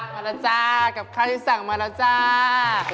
มาแล้วจ้ากับข้าวที่สั่งมาแล้วจ้า